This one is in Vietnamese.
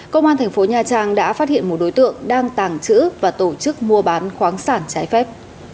công an tp nha trang đã phát hiện một đối tượng đang tàng chữ và tổ chức mua bán khoáng sản trái phép